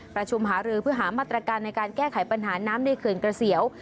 ประชุมหารือเพื่อหามาตรการในการแก้ไขปัญหาน้ำในเขื่อนกระเสียว